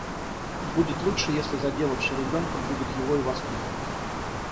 Будет лучше, если заделавший ребёнка будет его и воспитывать.